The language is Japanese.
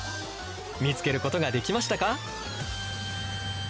見つけることができましたか？